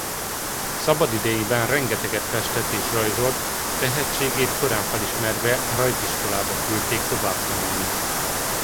Szabadidejében rengeteget festett és rajzolt s tehetségét korán felismerve rajziskolába küldték továbbtanulni.